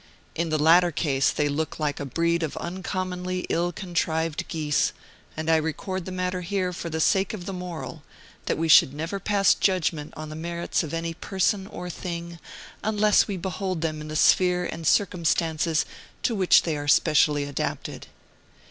In the latter case, they look like a breed of uncommonly ill contrived geese; and I record the matter here for the sake of the moral, that we should never pass judgment on the merits of any person or thing, unless we behold them in the sphere and circumstances to which they are specially adapted.